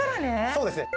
そうですね。